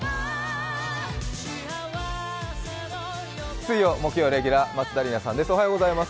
水曜・木曜レギュラー、松田里奈さんです。